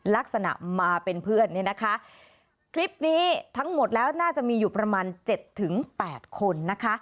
ลักษณะมาเป็นเพื่อนเนี่ยนะคะคลิปนี้ทั้งหมดแล้วน่าจะมีอยู่ประมาณเจ็ดถึงแปดคนนะคะ